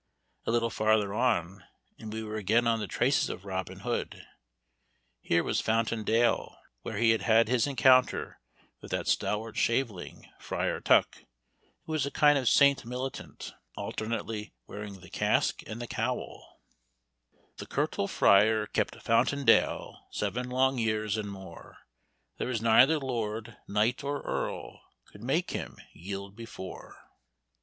A little farther on, and we were again on the traces of Robin Hood. Here was Fountain Dale, where he had his encounter with that stalwart shaveling Friar Tuck, who was a kind of saint militant, alternately wearing the casque and the cowl: "The curtal fryar kept Fountain dale Seven long years and more, There was neither lord, knight or earl Could make him yield before."